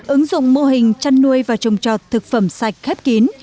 ứng dụng mô hình chăn nuôi và trồng trọt thực phẩm sạch khép kín